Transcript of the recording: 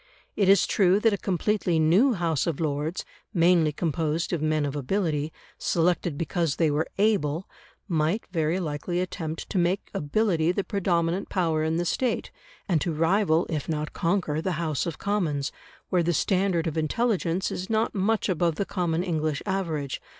It is true that a completely new House of Lords, mainly composed of men of ability, selected because they were able, might very likely attempt to make ability the predominant power in the State, and to rival, if not conquer, the House of Commons, where the standard of intelligence is not much above the common English average.